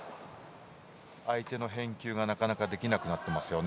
相手の返球がなかなかできなくなっていますね。